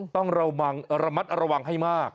ต้องระมัดระวังให้มาก